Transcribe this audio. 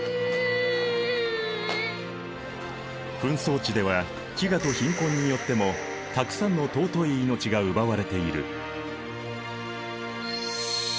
紛争地では飢餓と貧困によってもたくさんの尊い命が奪われている。